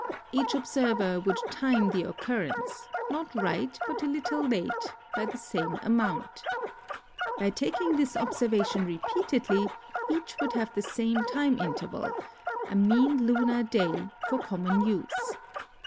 Each observer would time the occurrence, not right but a little late, by the same amount. By taking this observation repeatedly each would have the same time interval, a mean lunar day, for common use.